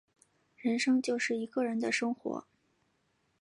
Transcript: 人生就是一个人的生活